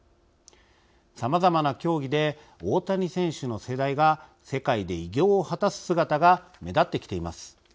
さまざまな競技で大谷選手の世代が世界で偉業を果たす姿が目立ってきています。